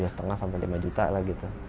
tiga lima sampai lima juta lah gitu